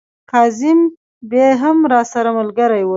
کاظم بې هم راسره ملګري ول.